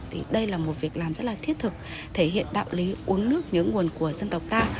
thì đây là một việc làm rất là thiết thực thể hiện đạo lý uống nước nhớ nguồn của dân tộc ta